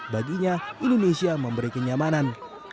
baginya indonesia memberi kenyamanan